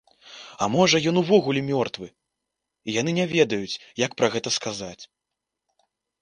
А можа, ён увогуле мёртвы, і яны не ведаюць, як пра гэта сказаць.